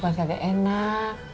mbak kagak enak